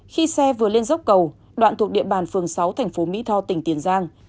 khi xe vừa lên dốc cầu đoạn thuộc địa bàn phường sáu thành phố mỹ tho tỉnh tiền giang